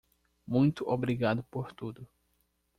Muito obrigado por tudo.